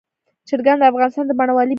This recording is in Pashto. چرګان د افغانستان د بڼوالۍ برخه ده.